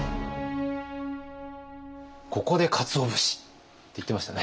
ここでかつお節って言ってましたね。